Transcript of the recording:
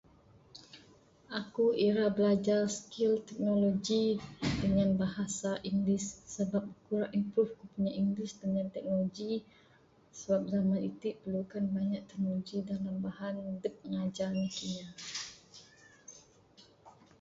Aku ira blajar skill teknologi dengan bahasa english sabab ku rak improve ku punya english dengan teknologi sabab zaman iti perlukan banyak teknologi da meh mahan dep ngajah nakinya.